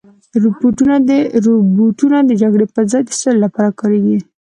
روبوټونه د جګړې په ځای د سولې لپاره کارېږي.